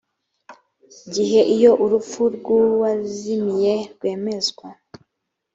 gihe iyo urupfu rw uwazimiye rwemezwa